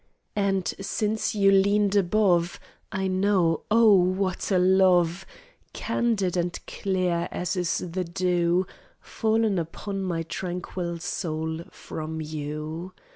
And since you leaned above, I know oh what a love! Candid and clear as is the dew Fallen upon my tranquil soul from you.